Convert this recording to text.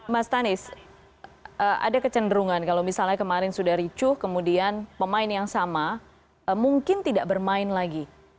mas tanis ada kecenderungan kalau misalnya kemarin sudah ricuh kemudian pemain yang sama mungkin tidak bermain lagi